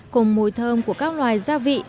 cùng mùi thơm của các loài gia vị